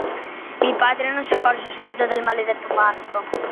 Il padre non si accorse subito del maledetto pasto.